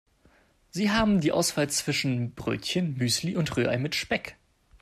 Sie haben die Auswahl zwischen Brötchen, Müsli und Rührei mit Speck.